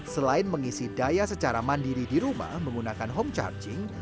selain mengisi daya secara mandiri di rumah menggunakan home charging